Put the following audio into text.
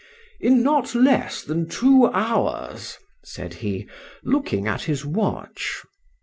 —In not less than two hours, said he, looking at his watch.